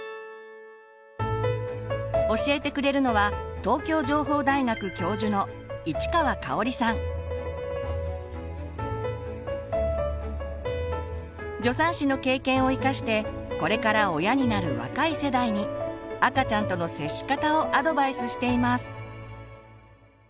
教えてくれるのは助産師の経験を生かしてこれから親になる若い世代に赤ちゃんとの接し方をアドバイスしています。